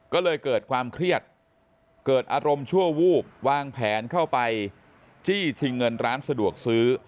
ก็เลยเกิดความเครียดเกิดอารมณ์ชั่ววูบวางแผนเข้าไปจี้ชิงเงินร้านสะดวกซื้อ